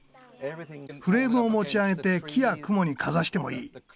フレームを持ち上げて木や雲にかざしてもいい。